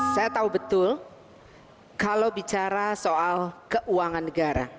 saya tahu betul kalau bicara soal keuangan negara